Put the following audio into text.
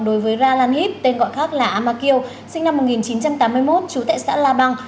đối với ra lan hip tên gọi khác là ama kieu sinh năm một nghìn chín trăm tám mươi một chú tại xã la bằng